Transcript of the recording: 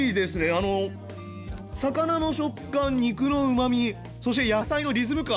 あの魚の食感肉のうまみそして野菜のリズム感！